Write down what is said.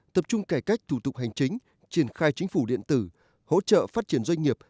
tập trung cải cách thủ tục hành chính triển khai chính phủ điện tử hỗ trợ phát triển doanh nghiệp